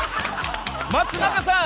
［松永さん。